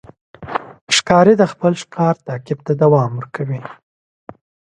ښکاري د خپل ښکار تعقیب ته دوام ورکوي.